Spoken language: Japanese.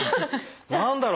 何だろう？